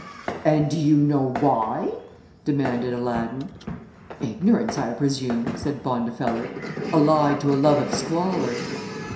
"And do you know why?" demanded Aladdin. "Ignorance, I presume," said Bondifeller, "allied to a love of squalor."